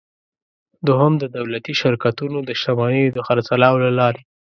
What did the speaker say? دوهم: د دولتي شرکتونو د شتمنیو د خرڅلاو له لارې.